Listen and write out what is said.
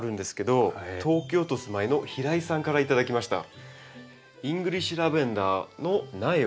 東京都お住まいの平井さんから頂きました。